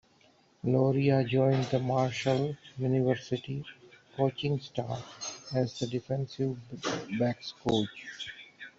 Loria joined the Marshall University coaching staff as the defensive backs coach.